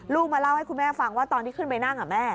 มาเล่าให้คุณแม่ฟังว่าตอนที่ขึ้นไปนั่งแม่